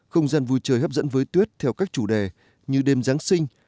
không gian vui chơi hấp dẫn với tuyết theo các chủ đề như đêm giáng sinh